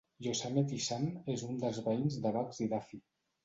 Yosemite Sam es un dels veïns de Bugs i Daffy.